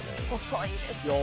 細いですね。